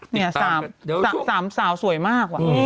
เนี่ย๓สาวสวยมากว่ะ